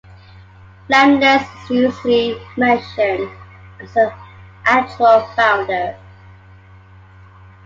Leibniz is usually mentioned as the actual founder.